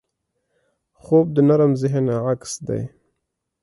خوب د نرم ذهن عکس دی